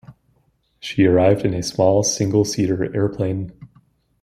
She arrived in a small, single seater aeroplane.